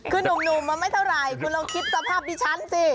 คือหนุ่มมันไม่เท่าไหร่คุณลองคิดสภาพดิฉันสิ